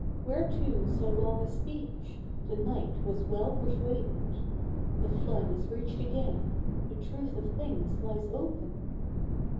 Whereto so long a speech? The Knight was well persuaded; The flood is reached again, the truth of things lies open!